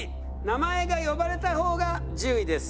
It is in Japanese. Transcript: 名前が呼ばれた方が１０位です。